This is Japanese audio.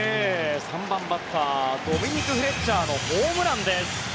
３番バッタードミニク・フレッチャーのホームランです。